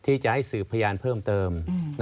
ที่จะให้สืบพยานเพิ่มเติม